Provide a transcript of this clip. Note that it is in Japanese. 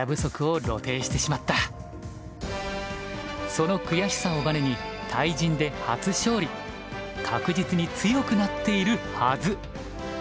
その悔しさをバネに確実に強くなっているはず。